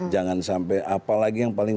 jangan sampai apalagi yang paling